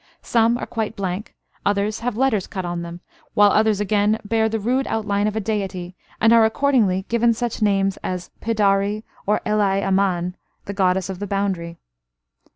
Some are quite blank, others have letters cut on them, while others again bear the rude outline of a deity, and are accordingly given such names as Pidari or Ellai Amman (the goddess of the boundary).